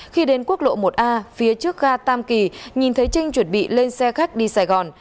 khi đến quốc lộ một a phía trước ga tam kỳ nhìn thấy trinh chuẩn bị lên xe khách đi sài gòn